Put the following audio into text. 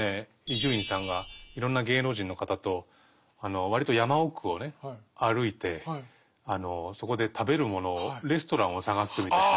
伊集院さんがいろんな芸能人の方と割と山奥をね歩いてそこで食べるものをレストランを探すみたいな。